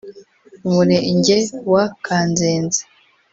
Umurenge wa Kanzenze